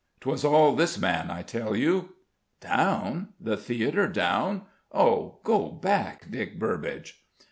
'Twas all this man, I tell you!" "Down? The Theatre down? Oh, go back, Dick Burbage!"